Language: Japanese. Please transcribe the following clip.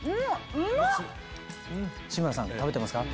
志村さん食べてますか？